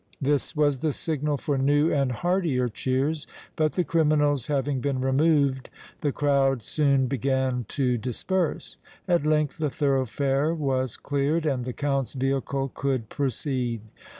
This was the signal for new and heartier cheers. But the criminals having been removed, the crowd soon began to disperse. At length the thoroughfare was cleared and the Count's vehicle could proceed.